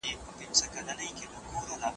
خبري د مور له خوا اورېدلي کيږي